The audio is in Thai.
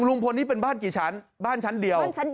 ลุงพลนี่เป็นบ้านกี่ชั้นบ้านชั้นเดียว